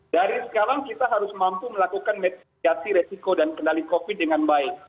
dari sekarang kita harus mampu melakukan netiasi resiko dan kendali covid dengan baik